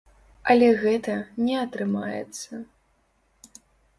Але гэта не атрымаецца.